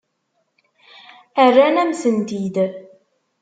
Rran-am-tent-id.